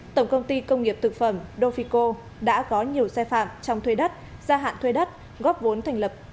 tổng công ty công nghiệp thực phẩm dofico đã có nhiều sai phạm trong thuê đất gia hạn thuê đất góp vốn thành lập